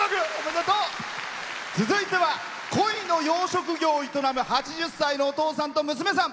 続いてはコイの養殖業を営む８０歳のお父さんと娘さん。